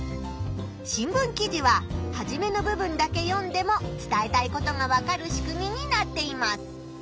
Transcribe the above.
新聞記事ははじめの部分だけ読んでも伝えたいことがわかる仕組みになっています。